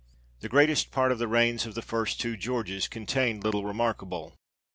The greatest part of the reigns of the two first Georges contained little remarkable.